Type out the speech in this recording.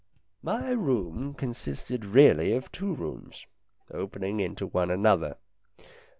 My room consisted really of two rooms, opening into one another.